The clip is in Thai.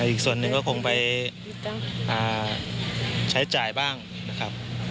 อีกส่วนหนึ่งก็คงไปใช้จ่ายบ้างนะครับ